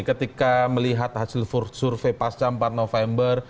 ketika melihat hasil survei pasca empat november